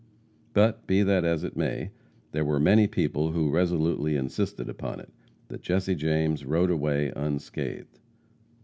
But, be that as it may, there were many people who resolutely insisted upon it, that Jesse James rode away unscathed.